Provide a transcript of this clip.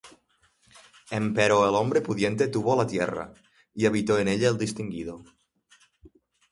Empero el hombre pudiente tuvo la tierra; Y habitó en ella el distinguido.